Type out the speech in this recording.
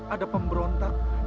ada pemberontak yang mengalami